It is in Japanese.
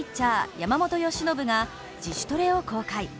山本由伸が自主トレを公開。